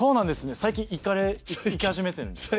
最近行かれ行き始めてるんですか？